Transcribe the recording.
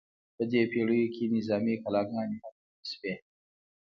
په دې پیړیو کې نظامي کلاګانې هم جوړې شوې.